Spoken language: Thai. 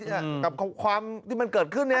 หากอมาในความที่เกิดขึ้นนี้